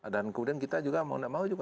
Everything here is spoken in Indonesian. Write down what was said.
dan kemudian kita juga mau tidak mau